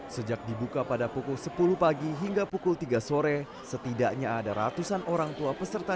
sejak dibuka pada pukul sepuluh pagi hingga pukul tiga sore setidaknya ada ratusan orang tua peserta